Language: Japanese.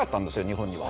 日本には。